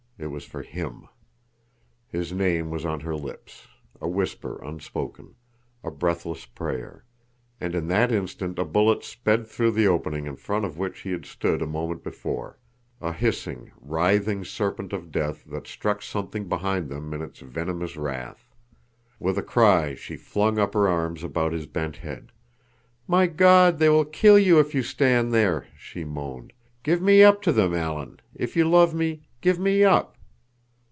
It was for him. His name was on her lips, a whisper unspoken, a breathless prayer, and in that instant a bullet sped through the opening in front of which he had stood a moment before, a hissing, writhing serpent of death that struck something behind them in its venomous wrath. With a cry she flung up her arms about his bent head. "My God, they will kill you if you stand there!" she moaned. "Give me up to them, Alan. If you love me—give me up!"